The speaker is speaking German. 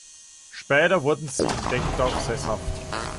Später wurden sie in Deggendorf sesshaft.